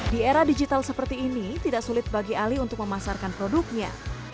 di era digital seperti ini tidak sulit bagi ali untuk memasarkan produknya